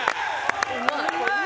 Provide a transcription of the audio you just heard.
うまい。